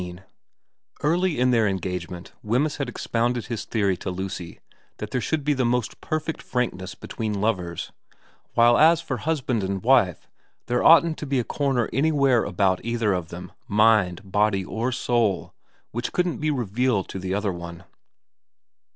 XV EARLY in their engagement Wemyss had expounded his theory to Lucy that there should be the most perfect frankness between lovers, while as for husband and wife there oughtn't to be a corner anywhere about either of them, mind, body, or soul, which couldn't be revealed to the other one.